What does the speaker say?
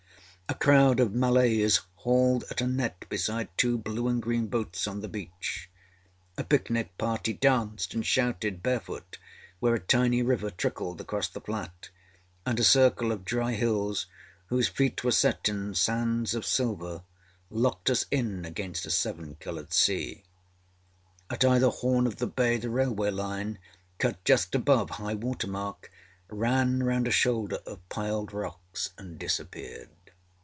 A crowd of Malays hauled at a net beside two blue and green boats on the beach; a picnic party danced and shouted barefoot where a tiny river trickled across the flat, and a circle of dry hills, whose feet were set in sands of silver, locked us in against a seven coloured sea. At either horn of the bay the railway line, cut just above high water mark, ran round a shoulder of piled rocks, and disappeared.